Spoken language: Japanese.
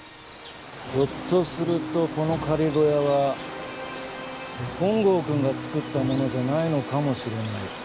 ひょっとするとこの仮小屋は本郷くんが作ったものじゃないのかもしれない。